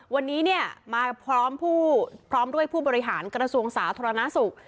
วันนี้มาพร้อมด้วยผู้บริหารกระทรวงศาสตร์ธรรณสุข